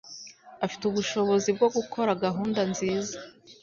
Afite ubushobozi bwo gukora gahunda nziza.